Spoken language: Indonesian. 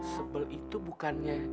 sebel itu bukannya